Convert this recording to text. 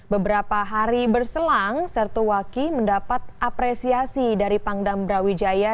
beberapa hari berselang sertu waki mendapat apresiasi dari pangdam brawijaya